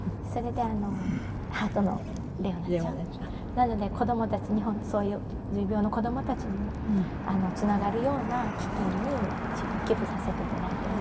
なので子供たち日本のそういう重病の子供たちにもつながるような基金に一部を寄付させて頂いています。